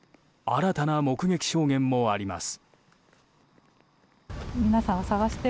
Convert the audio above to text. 新たな目撃証言もあります。